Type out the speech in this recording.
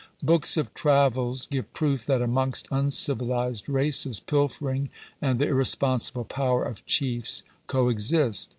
Books of travels give proof that amongst uncivilized races pilfering and the irresponsible power of chiefs co exist.